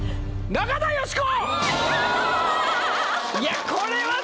中田喜子！